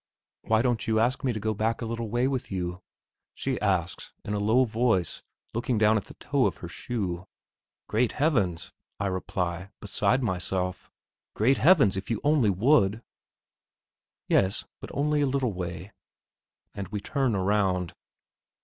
"Why don't you ask me to go back a little way with you?" she asks, in a low voice, looking down at the toe of her shoe. "Great Heavens!" I reply, beside myself, "Great Heavens, if you only would!" "Yes; but only a little way." And we turned round.